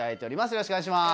よろしくお願いします。